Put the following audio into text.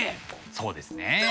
そうですね。